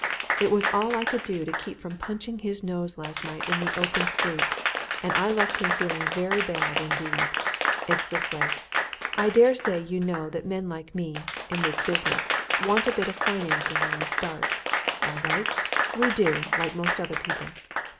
It was all I could do to keep from punching his nose last night in the open street, and I left him feeling very bad indeed! It's this way I dare say you know that men like me, in this business, want a bit of financing when we start. All right! we do, like most other people.